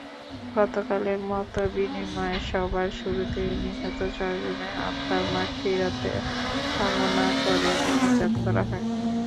গতকালের মতবিনিময় সভার শুরুতে নিহত চারজনের আত্মার মাগফিরাত কামনা করে মোনাজাত করা হয়।